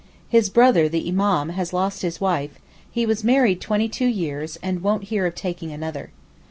His brother, the Imam, has lost his wife; he was married twenty two years, and won't hear of taking another.